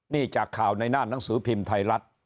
นี่จากข่าวในหน้าหนังสือพิมพ์ไทยรัฐ